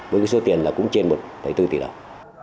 với cái số tiền là cũng trên một bốn tỷ đồng